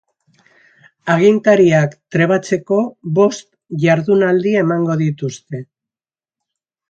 Agintariak trebatzeko bost jardunaldi emango dituzte.